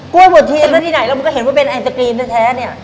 กล้วยบวดชีซะที่ไหนแล้วมึงก็เห็นว่าเป็นไอศกรีมแท้เนี่ย